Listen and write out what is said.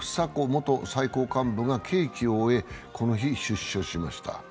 元最高幹部が刑期を終え、この日、出所しました。